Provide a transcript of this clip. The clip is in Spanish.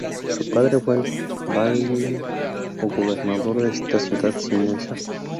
Su padre fue el bailío o gobernador de esta ciudad sienesa.